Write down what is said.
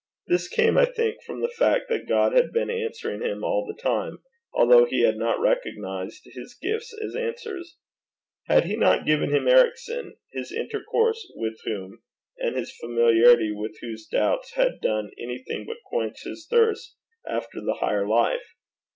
This came, I think, from the fact that God had been answering him all the time, although he had not recognized his gifts as answers. Had he not given him Ericson, his intercourse with whom and his familiarity with whose doubts had done anything but quench his thirst after the higher life?